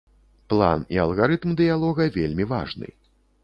План і алгарытм дыялога вельмі важны.